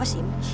itu si imrah